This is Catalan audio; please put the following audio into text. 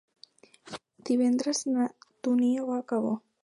Divendres na Dúnia va a Cabó.